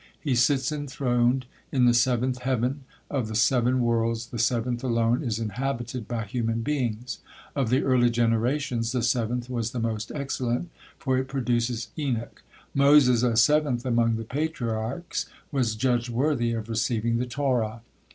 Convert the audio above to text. He sits enthroned in the seventh heaven; of the seven worlds the seventh alone is inhabited by human beings; of the early generations the seventh was the most excellent, for it produces Enoch. Moses, seventh among the Patriarch, was judged worthy of receiving the Torah.